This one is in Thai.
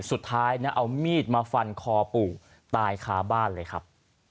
สุดท้ายนะเอามีดมาฟันคอปู่ตายคาบ้านเลยครับ